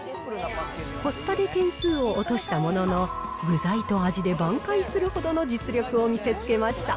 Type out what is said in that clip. コスパで点数を落としたものの、具材と味で挽回するほどの実力を見せつけました。